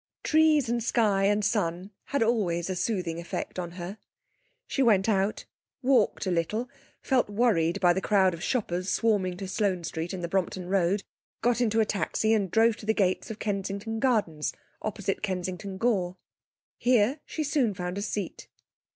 Trees and sky and sun had always a soothing effect on her. She went out, walked a little, felt worried by the crowd of shoppers swarming to Sloane Street and the Brompton Road, got into a taxi and drove to the gate of Kensington Gardens, opposite Kensington Gore. Here she soon found a seat.